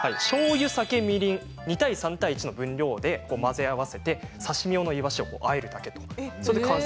超簡単でしょうゆ、酒、みりん２対３対１の分量で混ぜ合わせて刺身用のイワシをあえるだけ。